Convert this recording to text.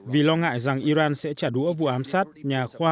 vì lo ngại rằng iran sẽ trả đũa vụ ám sát nhà khoa học hạt nhân hàng đầu của nước này